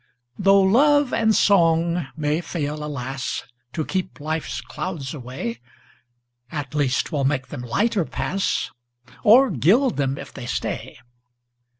Tho' love and song may fail, alas! To keep life's clouds away, At least 'twill make them lighter pass, Or gild them if they stay.